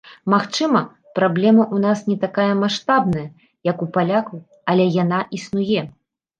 Магчыма, праблема ў нас не такая маштабная, як у палякаў, але яна існуе.